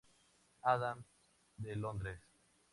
Adams de Londres.